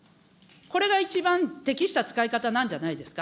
これが一番、適した使い方なんじゃないですか。